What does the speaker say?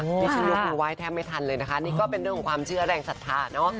นี่ฉันยกมือไห้แทบไม่ทันเลยนะคะนี่ก็เป็นเรื่องของความเชื่อแรงศรัทธาเนอะ